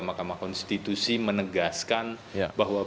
mahkamah konstitusi menegaskan bahwa